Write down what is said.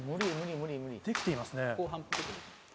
できていますね。